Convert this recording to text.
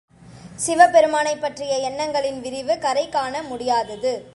சிவபெருமானைப் பற்றிய எண்ணங்களின் விரிவு கரை காண முடியாதது.